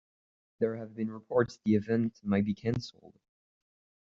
There have been reports the event might be canceled.